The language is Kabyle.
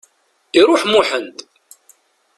Iruḥ Muḥend.